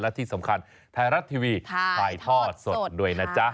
และที่สำคัญไทยรัฐทีวีถ่ายทอดสดด้วยนะจ๊ะ